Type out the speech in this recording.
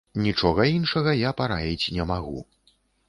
Нічога іншага я параіць не магу.